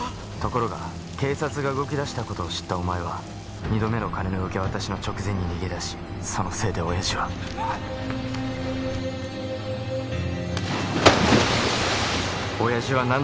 ところが警察が動き出した事を知ったお前は二度目の金の受け渡しの直前に逃げ出しそのせいで親父は。